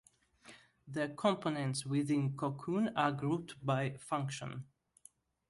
The components within Cocoon are grouped by function.